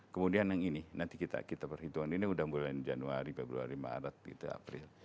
kemudian yang ini nanti kita perhitungan ini udah mulai januari februari maret gitu april